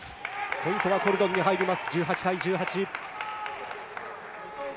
ポイントはコルドンに入ります。